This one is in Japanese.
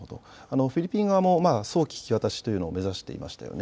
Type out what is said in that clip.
フィリピン側も早期引き渡しを目指していましたね。